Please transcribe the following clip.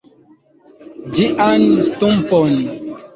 ĝian stumpon.